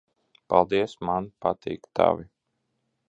Paldies. Man patīk tavi.